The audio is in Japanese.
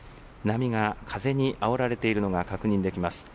波が風にあおられているのが確認できます。